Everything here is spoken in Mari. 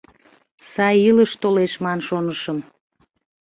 Сай илыш толеш ман шонышым;